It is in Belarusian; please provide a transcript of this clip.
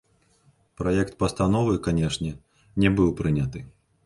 Праект пастановы, канешне, не быў прыняты.